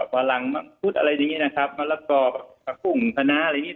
พลังพุทธอะไรอย่างนี้นะครับมะละกอผักกุ่งทะน้าอะไรอย่างนี้